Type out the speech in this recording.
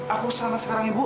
aku selamat sekarang ibu